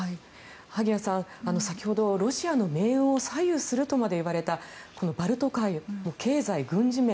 萩谷さん、先ほどロシアの命運を左右するとまで言われたこのバルト海、経済、軍事面。